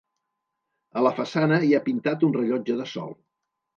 A la façana hi ha pintat un rellotge de sol.